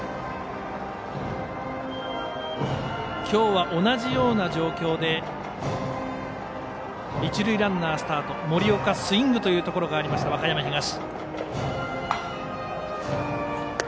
今日は同じような状況で一塁ランナースタート森岡がスイングというところがあった和歌山東。